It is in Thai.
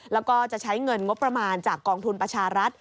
แล้วก็จะใช้เงินงบประมาณจากกองทุนประชารัฐ